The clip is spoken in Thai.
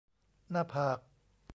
หน้าผาก